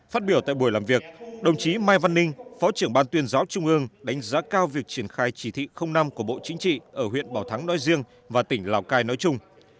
phát biểu tại buổi làm việc đồng chí mai văn ninh phó trưởng ban tuyên giáo trung ương đánh giá cao việc triển khai chỉ thị năm của bộ chính trị ở huyện bảo thắng nói riêng và tỉnh lào cai nói chung